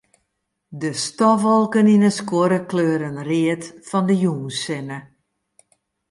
De stofwolken yn 'e skuorre kleuren read fan de jûnssinne.